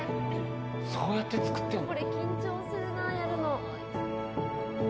そうやって作ってるんだ。